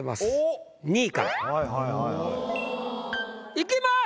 いきます。